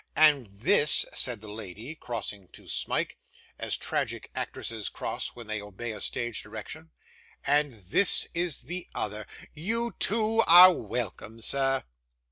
'And this,' said the lady, crossing to Smike, as tragic actresses cross when they obey a stage direction, 'and this is the other. You too, are welcome, sir.